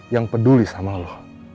yang peduli sama lo